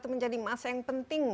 dan memiliki keuntungan yang penting